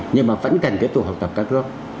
nhưng mà vẫn cần cái tủ học tập các nước